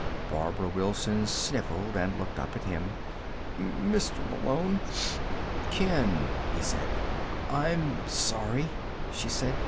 Barbara Wilson sniffled and looked up at him. "Mr. Malone " "Ken," he said. "I'm sorry," she said.